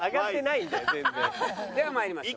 では参りましょう。